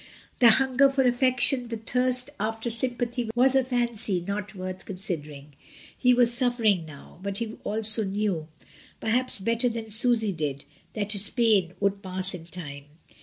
The hunger for affection, the thirst after sympathy was a fancy not worth considering. He was suffer ing now; but he also knew — perhaps better than Susy did — that his pain would pass in time.